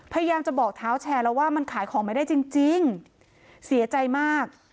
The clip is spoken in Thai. พยายามจะบอกเท้าแชร์แล้วว่ามันขายของไม่ได้จริงเสียใจมาก